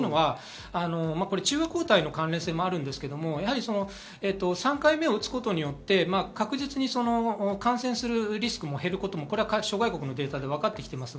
中和抗体の関連性もありますが、３回目を打つことで確実に感染するリスクも減ることは諸外国のデータで分かってきています。